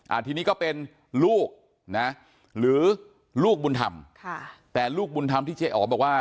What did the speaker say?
ทีนี้ก็เป็นลูกนะหรือลูกบุญธรรมค่ะแต่ลูกบุญธรรมที่เจ๊อ๋อบอกว่า